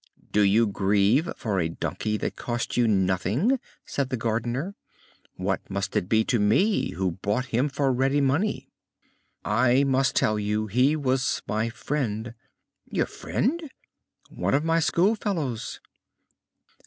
"Do you grieve for a donkey that cost you nothing?" said the gardener. "What must it be to me, who bought him for ready money?" "I must tell you he was my friend!" "Your friend?" "One of my school fellows!"